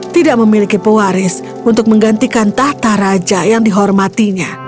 tidak memiliki pewaris untuk menggantikan tahta raja yang dihormatinya